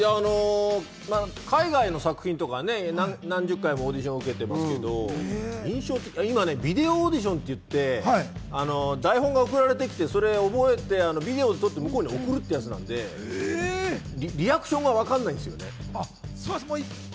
海外の作品とか何十回もオーディション受けてますけど、今、ビデオオーデションといって、台本が送られてきて、それを覚えて、ビデオに撮ってそれを向こうに送るというやつなんでリアクションがわからないんですよね。